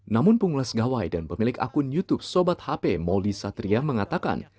namun pengulas gawai dan pemilik akun youtube sobat hp mouldie satria mengatakan